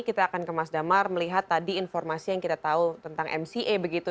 kita akan ke mas damar melihat tadi informasi yang kita tahu tentang mca begitu